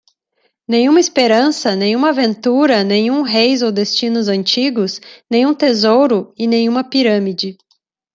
Nenhuma esperança? nenhuma aventura? nenhum reis ou destinos antigos? nenhum tesouro? e nenhuma pirâmide.